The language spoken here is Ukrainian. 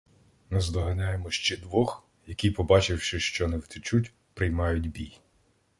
Наздоганяємо ще двох, які, побачивши, що не втечуть, приймають бій.